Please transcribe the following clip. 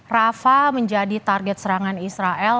rafa menjadi target serangan israel